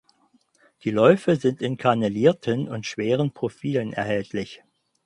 Die Läufe sind in kannelierten und schweren Profilen erhältlich.